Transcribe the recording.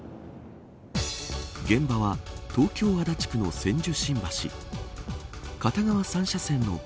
現場は東京、足立区の千住新橋。